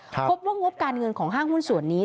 พบว่างบการเงินของห้างหุ้นส่วนนี้